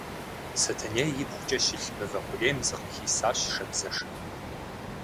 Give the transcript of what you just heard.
Сэтэней ибгъукӏэ щылъ мывэ хъурейм зыкъыхисащ шабзэшэм.